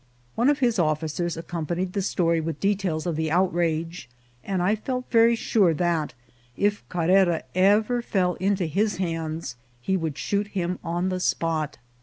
One of his officers accompanied the story with details of the outrage ; and I felt very sure that, if Carrera ever fell into his hands, he would shoot him on the spot.